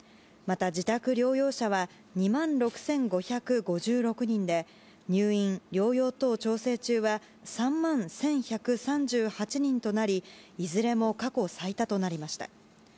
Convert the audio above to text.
また、自宅療養者は２万６５５６人で入院・療養等調整中は３万１１３８人となりいずれも過去最多となりました。